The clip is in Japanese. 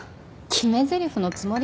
決めぜりふのつもりですか？